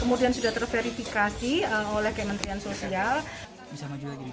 kemudian sudah terverifikasi oleh kementerian sosial